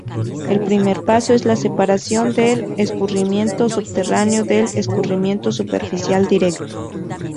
El primer paso es la separación del escurrimiento subterráneo del escurrimiento superficial directo.